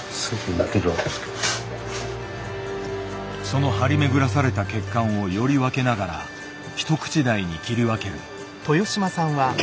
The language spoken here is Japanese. その張り巡らされた血管をより分けながら一口大に切り分ける。